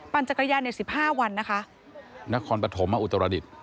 ปั่นจักรยานอย่าง๑๕วันนะคะนักความประถมมันอุตรศารณิต